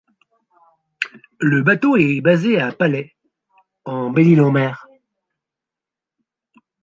Le bateau est basé à Palais en Belle-Île-en-Mer.